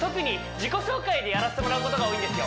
自己紹介でやらせてもらうことが多いんですよ